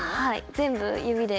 全部指で。